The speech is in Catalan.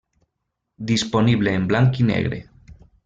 Disponible en blanc i negre.